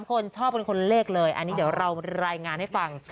คนชอบเป็นคนเลขเลยอันนี้เดี๋ยวเรารายงานให้ฟัง